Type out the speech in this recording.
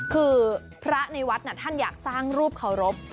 คือพระในวัดท่านอยากสร้างรูปเคารพ